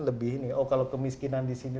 lebih nih oh kalau kemiskinan di sini